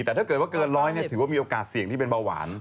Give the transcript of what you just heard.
แต่ถ้าเกิดว่าเกินร้อยถือว่ามีโอกาสเสี่ยงที่เป็นเบาหวาน